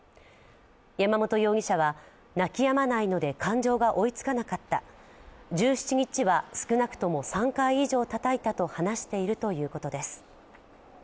山本容疑者は泣きやまないので感情が追いつかなかった、１７日は少なくとも３回以上たたいたと話しているということです。